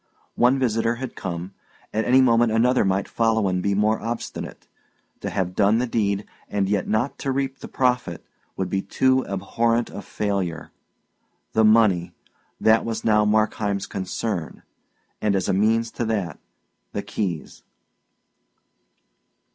One visitor had come; at any moment another might follow and be more obstinate. To have done the deed, and yet not to reap the profit, would be too abhorrent a failure. The money that was now Markheim's concern; and as a means to that, the keys.